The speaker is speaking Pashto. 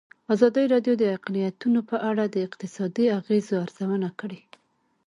ازادي راډیو د اقلیتونه په اړه د اقتصادي اغېزو ارزونه کړې.